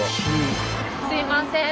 すいません！